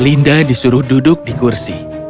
linda disuruh duduk di kursi